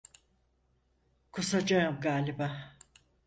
Kusacağım galiba.